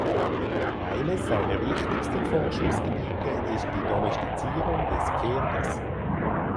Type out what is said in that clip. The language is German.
Eines seiner wichtigsten Forschungsgebiete ist die Domestizierung des Pferdes.